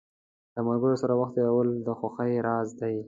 له ملګرو سره وخت تېرول د خوښۍ راز دی.